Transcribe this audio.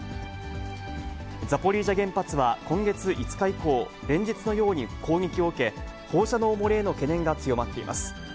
ザポリージャ原発は今月５日以降、連日のように攻撃を受け、放射能漏れへの懸念が強まっています。